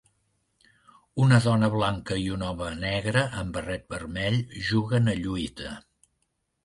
Una dona blanca i un home negre amb barret vermell juguen a lluita.